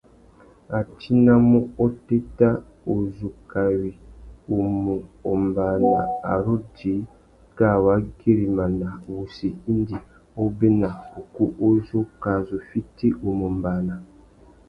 A tinamú otéta uzu kawi u mù ombāna a ru djï kā wa güirimana wussi indi obéna ukú u zu kā zu fiti u mù ombāna.